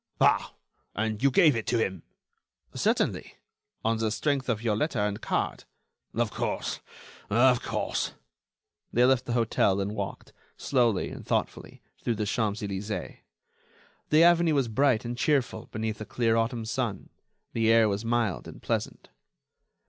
"Ah!... and you gave it to him?" "Certainly; on the strength of your letter and card." "Of course ... of course." They left the hotel and walked, slowly and thoughtfully, through the Champs Elysées. The avenue was bright and cheerful beneath a clear autumn sun; the air was mild and pleasant.